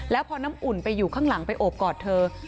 แล้วพอน้ำอุ่นไปอยู่ข้างหลังไปโอบกอดเธอ